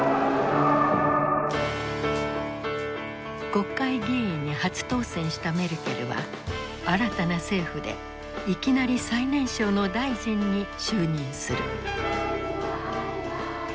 国会議員に初当選したメルケルは新たな政府でいきなり最年少の大臣に就任する。